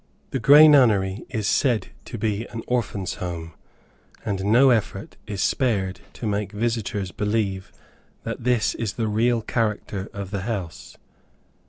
The Grey Nunnery is said to be an orphan's home, and no effort is spared to make visitors believe that this is the real character of the house.